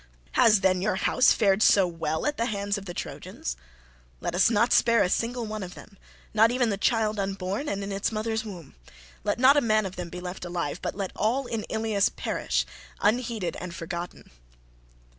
Has, then, your house fared so well at the hands of the Trojans? Let us not spare a single one of them—not even the child unborn and in its mother's womb; let not a man of them be left alive, but let all in Ilius perish, unheeded and forgotten."